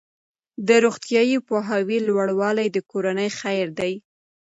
د روغتیايي پوهاوي لوړوالی د کورنۍ خیر دی.